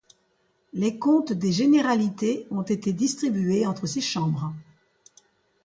Les comptes des généralités ont été distribués entre ces chambres.